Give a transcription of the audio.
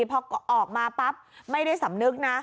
พอออกมาปั๊บไม่ได้สำนึกนะ